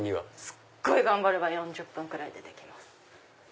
すっごい頑張れば４０分ぐらいでできます。